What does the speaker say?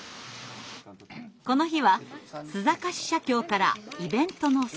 この日は須坂市社協からイベントの相談。